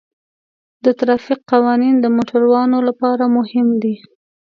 د ترافیک قوانین د موټروانو لپاره مهم دي.